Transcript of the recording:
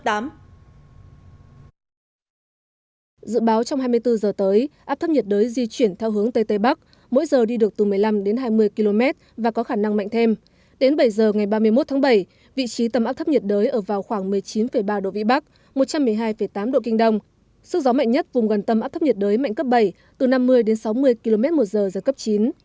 dự báo trong hai mươi bốn giờ tới áp thấp nhiệt đới di chuyển theo hướng tây tây bắc mỗi giờ đi được từ một mươi năm đến hai mươi km và có khả năng mạnh thêm đến bảy giờ ngày ba mươi một tháng bảy vị trí tâm áp thấp nhiệt đới ở vào khoảng một mươi chín ba độ vĩ bắc một trăm một mươi hai tám độ kinh đông sức gió mạnh nhất vùng gần tâm áp thấp nhiệt đới mạnh cấp bảy từ năm mươi đến sáu mươi km một giờ giật cấp chín